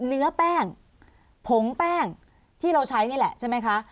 เนื้อแป้งผงแป้งที่เราใช้นี่แหละใช่ไหมคะ